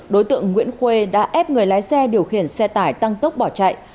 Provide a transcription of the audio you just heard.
đối tượng nguyễn khuê đã ép người lái xe điều khiển xe tải tăng tốc bỏ chạy